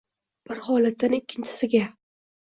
bir holatdan ikkinchisiga